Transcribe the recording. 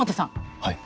はい。